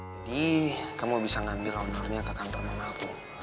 jadi kamu bisa ngambil honornya ke kantor mama aku